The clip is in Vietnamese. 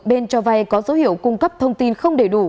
bên cho vay có dấu hiệu cung cấp thông tin không đầy đủ